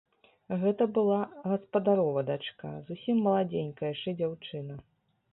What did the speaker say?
Гэта была гаспадарова дачка, зусім маладзенькая яшчэ дзяўчына.